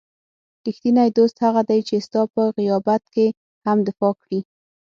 رښتینی دوست هغه دی چې ستا په غیابت کې هم دفاع کړي.